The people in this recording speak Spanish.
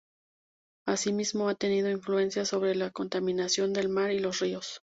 Asimismo ha tenido influencia sobre la contaminación del mar y los ríos.